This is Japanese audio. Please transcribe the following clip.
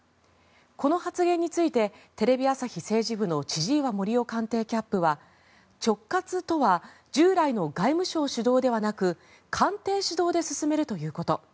この発言についてテレビ朝日政治部の千々岩森生官邸キャップは直轄とは従来の外務省主導ではなく官邸主導で進めるということ。